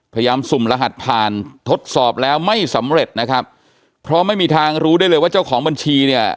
สุ่มรหัสผ่านทดสอบแล้วไม่สำเร็จนะครับเพราะไม่มีทางรู้ได้เลยว่าเจ้าของบัญชีเนี่ย